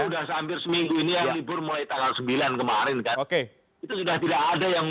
sekarang ini sudah seampir seminggu ini yang libur mulai tanggal sembilan kemarin kan